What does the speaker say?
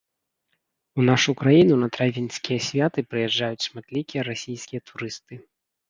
У нашу краіну на травеньскія святы прыязджаюць шматлікія расійскія турысты.